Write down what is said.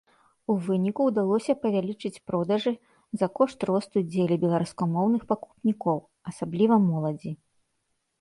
У выніку ўдалося павялічыць продажы за кошт росту дзелі беларускамоўных пакупнікоў, асабліва моладзі.